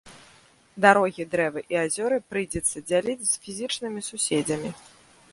Дарогі, дрэвы і азёры прыйдзецца дзяліць з фізічнымі суседзямі.